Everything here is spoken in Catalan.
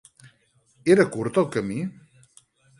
Era curt el camí?